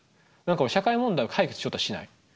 社会問題を解決しようとはしない。